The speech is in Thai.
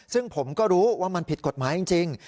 ซึ่งผมก็รู้ว่ามันผิดกฎหมายจริง